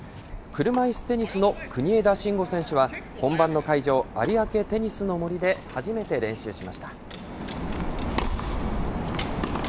車いすテニスの国枝慎吾選手は、本番の会場、有明テニスの森で初めて練習しました。